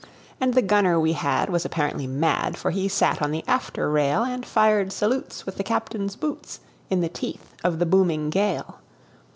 And the gunner we had was apparently mad, For he sat on the after rail, And fired salutes with the captain's boots, In the teeth of the booming gale.